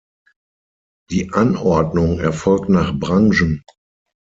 Die Anordnung erfolgt nach Branchen.